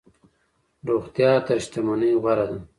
روغتيا تر شتمنۍ غوره ده.